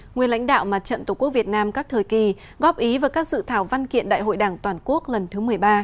nguyên lãnh đạo mặt trận tổ quốc việt nam các thời kỳ góp ý và các sự thảo văn kiện đại hội đảng toàn quốc lần thứ một mươi ba